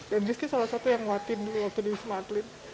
dan rizky salah satu yang nguatin waktu di sumatlin